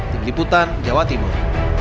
dibiputan jawa timur